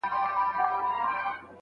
د هغه له ستوني دا ږغ پورته نه سي